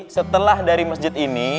setelah dari masjid ini